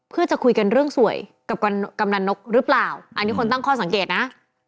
เพื่อจะคุยกันเรื่องสวยกับกำนันนกหรือเปล่าอันนี้คนตั้งข้อสังเกตนะ